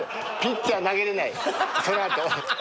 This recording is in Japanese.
ピッチャー投げれないその後。